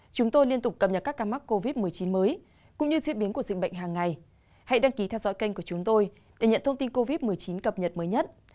các bạn hãy đăng ký kênh của chúng tôi để nhận thông tin cập nhật mới nhất